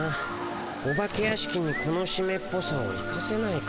お化け屋敷にこのしめっぽさを生かせないかな。